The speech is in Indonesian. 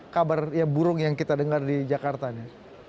kabar burung yang kita dengar di jakarta nih